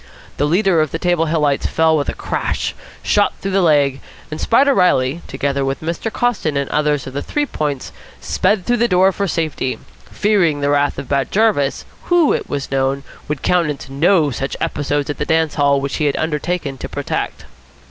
The leader of the Table Hillites fell with a crash, shot through the leg; and Spider Reilly, together with Mr. Coston and others of the Three Points, sped through the doorway for safety, fearing the wrath of Bat Jarvis, who, it was known, would countenance no such episodes at the dance hall which he had undertaken to protect.